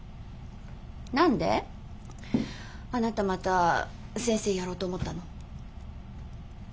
何であなたまた先生やろうと思ったの？